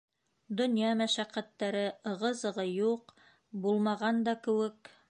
Донъя мәшәҡәттәре, ығы-зығы юҡ, булмаған да кеүек.